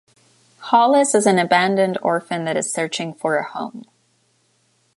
Hollis is an abandoned orphan that is searching for a home.